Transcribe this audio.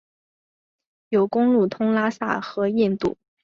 有公路通拉萨和印度。